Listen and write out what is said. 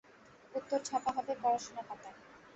উত্তর ছাপা হবে পড়াশোনাপাতায়।